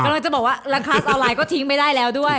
กำลังจะบอกว่าร้านค้าออนไลน์ก็ทิ้งไม่ได้แล้วด้วย